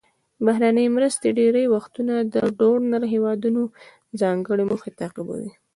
بهرنۍ مرستې ډیری وختونه د ډونر هیوادونو ځانګړې موخې تعقیبوي.